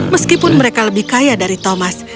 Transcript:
meskipun mereka lebih kaya dari thomas